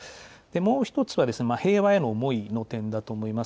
もう１つは、平和への思いの点だと思います。